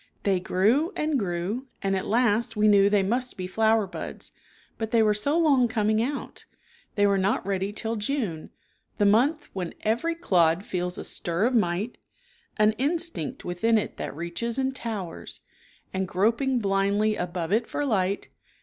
They grew and grew and at last we knew they must be. flower buds, but they were so long coming out They were not ready till June, the month when 4' Every clod feels a stir of might An instinct within it that reaches and towers And groping blindly above it for light.